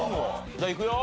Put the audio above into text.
じゃあいくよ。